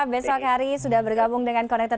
besok hari sudah bergabung dengan connected